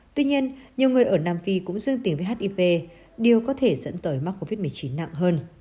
tuy nhiên nhiều người ở nam phi cũng dương tính với hiv điều có thể dẫn tới mắc covid một mươi chín nặng hơn